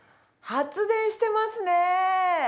発電してますね。